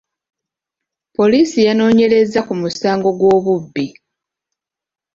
Poliisi yanoonyerezza ku musango gw'obubbi .